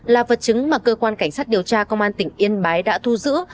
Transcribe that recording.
là vật chứng mà cơ quan cảnh sát điều tra công an tỉnh yên bái đã thu giữ